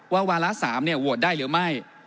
ว่าวาระ๓เนี่ยโหวตได้หรือไม่